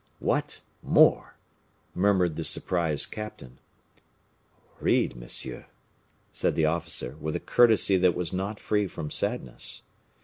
"What, more!" murmured the surprised captain. "Read, monsieur," said the officer, with a courtesy that was not free from sadness.